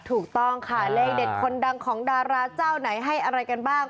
ถูกต้องค่ะเลขเด็ดคนดังของดาราเจ้าไหนให้อะไรกันบ้าง